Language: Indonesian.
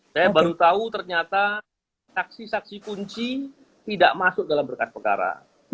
saya baru tahu ternyata saksi saksi kunci tidak masuk dalam berkas perkara